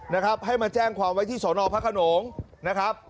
นะครับให้มาแจ้งความไว้ที่สอนอพระขนงนะครับ